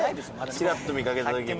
ちらっと見かけた時に。